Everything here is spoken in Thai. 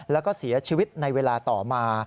แล้วก็เสียชีวิตในเวลาต่อมา